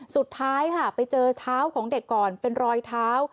สุดท้ายค่ะไปเจอเท้าของเด็กก่อนเป็นรอยเท้า